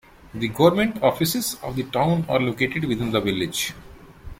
The government offices of the town are located within the village.